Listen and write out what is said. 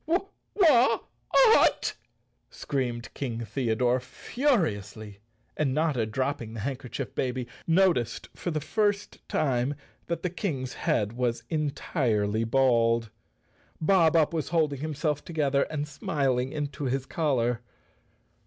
" "Wh—at!" screamed King Theodore furiously, and Notta, dropping the handkerchief baby, noticed for the first time that the King's head was entirely bald. Bob Up was holding himself together and smiling into his collar.